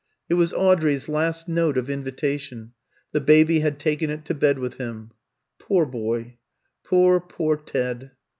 It was Audrey's last note of invitation the baby had taken it to bed with him. "Poor boy poor, poor Ted!"